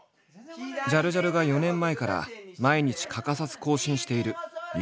ジャルジャルが４年前から毎日欠かさず更新しているＹｏｕＴｕｂｅ。